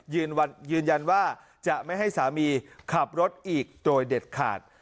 ยืนยันว่าจะไม่ให้สามีขับรถอีกโดยเด็ดขาด